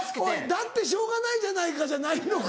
「だってしょうがないじゃないか」じゃないのか？